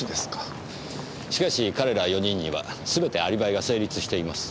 しかし彼ら４人にはすべてアリバイが成立しています。